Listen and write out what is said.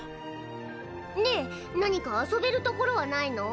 ねえ何か遊べる所はないの？